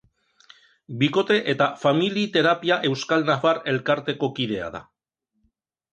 Bikote eta Famili Terapia Euskal-Nafar Elkarteko kidea da.